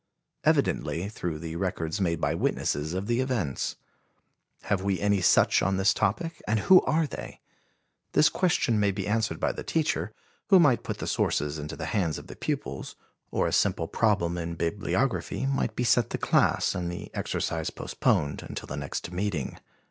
Evidently through the records made by witnesses of the events. Have we any such on this topic and who are they? This question may be answered by the teacher, who might put the sources into the hands of the pupils, or a simple problem in bibliography might be set the class and the exercise postponed until the next meeting.